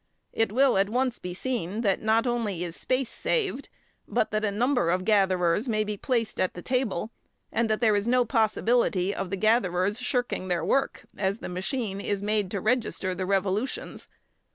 It will at once be seen that not only is space saved, but that a number of gatherers may be placed at the table; and that there is no possibility of the gatherers shirking their work, as the machine is made to register the revolutions.